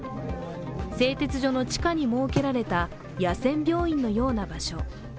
製鉄所の地下に設けられた野戦病院のような場所。